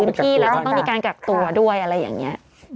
ให้เขดพื้นที่แล้วก็ต้องมีการกัดตัวด้วยอะไรอย่างนี้